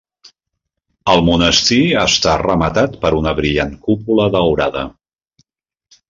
El monestir està rematat per una brillant cúpula daurada.